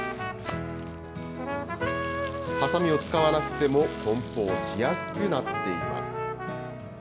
はさみを使わなくても、こん包しやすくなっています。